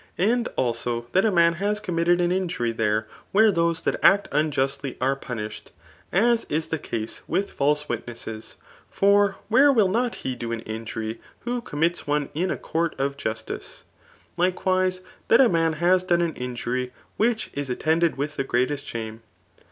And, also, that a man has committed an injury there where those that act unjustly are punished ; as is the case with false wit nesses. For where will not he do an injury who com mits one in a court of justice ? Likewise, that a man has done an injury which is attended with the greatest shame.